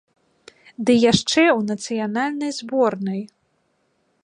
Ды яшчэ ў нацыянальнай зборнай!